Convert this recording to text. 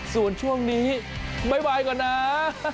ส่วนช่วงนี้บ๊ายบายก่อนนะ